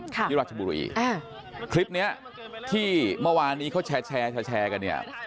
ครับที่ราชบุรุยคลิปนี้ที่เมื่อวานนี้เขาแชร์แชร์ที่แชร์กันเนี่ย